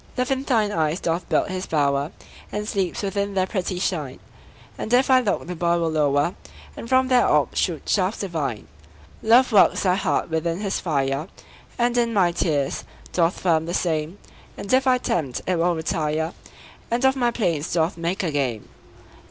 Love in thine eyes doth build his bower, And sleeps within their pretty shine; And if I look, the boy will lower, And from their orbs shoot shafts divine. Love works thy heart within his fire, And in my tears doth firm the same; And if I tempt, it will retire, And of my plaints doth make a game.